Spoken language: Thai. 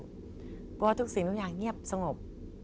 เพราะว่าทุกสิ่งทุกอย่างเงียบสงบ